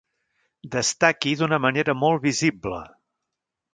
Destaqui d'una manera molt visible.